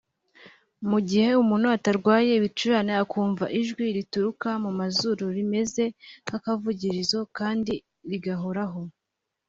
Mu gihe umuntu atarwaye ibicurane akumva ijwi rituruka mu zuru rimeze nk’akavugirizo kandi rigahoraho